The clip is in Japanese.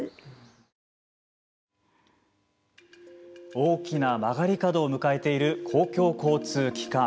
大きな曲がり角を迎えている公共交通機関。